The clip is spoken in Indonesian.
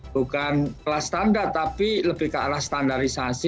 bukan ke arah standar tapi lebih ke arah standarisasi